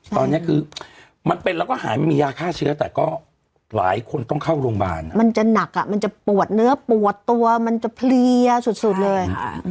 ตอนนี้คือมันเป็นแล้วก็หายมันมียาฆ่าเชื้อแต่ก็หลายคนต้องเข้าโรงพยาบาลมันจะหนักอ่ะมันจะปวดเนื้อปวดตัวมันจะเพลียสุดเลย